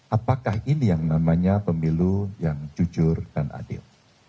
apakah ini yang namanya pemilu yang jujur dan adil